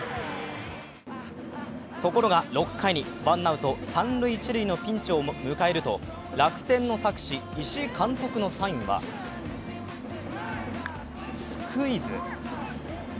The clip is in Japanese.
ところが６回にワンアウト三塁・一塁のピンチを迎えると楽天の策士・石井監督のサインはスクイズ。